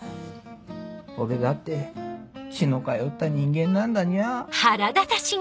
俺だって血の通った人間なんだニャ。